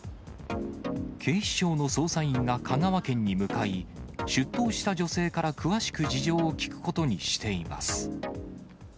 警視庁の捜査員が香川県に向かい、出頭した女性から詳しく事情を聴くことにしています。